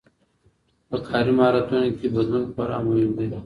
په کاري مهارتونو کي بدلون خورا مهم دی.